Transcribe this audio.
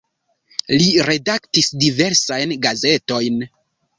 Li redaktis diversajn gazetojn.